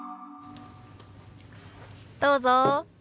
どうぞ。